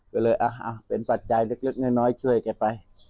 ก็เลยเป็นปัจจัยเล็กน้อยช่วยแกไป